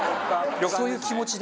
そういう気持ちで。